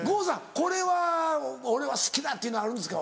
「これは俺は好きだ」っていうのあるんですか？